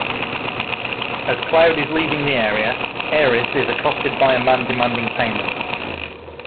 As Cloud is leaving the area, Aerith is accosted by a man demanding payment.